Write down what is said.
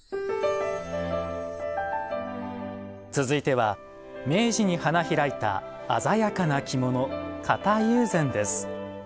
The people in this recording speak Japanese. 続いては明治に花開いた鮮やかな着物型友禅です。